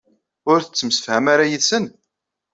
Ur tettemsefham ara yid-sen?